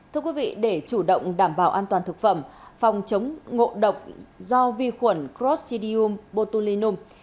thưa quý vị để chủ động đảm bảo an toàn thực phẩm phòng chống ngộ độc do vi khuẩn crostidium botulinum